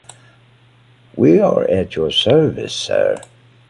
We are at your service, Sir.